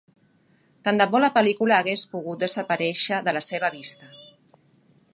Tant de bo la pel·lícula hagués pogut desaparèixer de la seva vista.